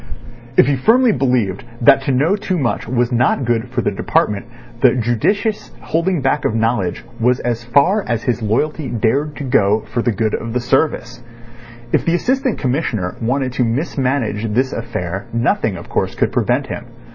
If he believed firmly that to know too much was not good for the department, the judicious holding back of knowledge was as far as his loyalty dared to go for the good of the service. If the Assistant Commissioner wanted to mismanage this affair nothing, of course, could prevent him.